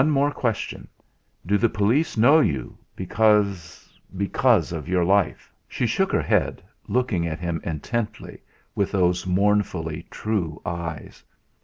One more question: Do the police know you, because because of your life?" She shook her head, looking at him intently, with those mournfully true eyes.